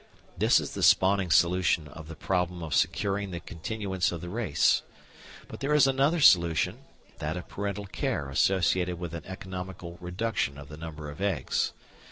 This is the spawning solution of the problem of securing the continuance of the race. But there is another solution, that of parental care associated with an economical reduction of the number of eggs.